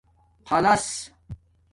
خلاس